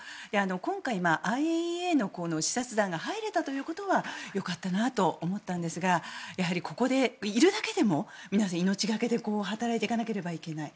今回、ＩＡＥＡの視察団が入れたということはよかったなと思ったんですがここで、いるだけでも皆さん、命懸けで働いていかなければいけない。